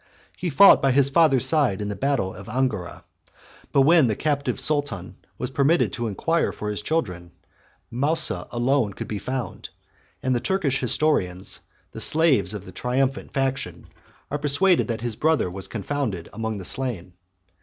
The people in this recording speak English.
He fought by his father's side in the battle of Angora: but when the captive sultan was permitted to inquire for his children, Mousa alone could be found; and the Turkish historians, the slaves of the triumphant faction, are persuaded that his brother was confounded among the slain.